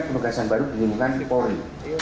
kemugasan baru dihubungkan ke polri